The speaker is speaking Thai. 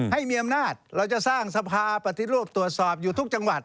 ให้มีอำนาจเราจะสร้างสภาปฏิรูปตรวจสอบอยู่ทุกจังหวัด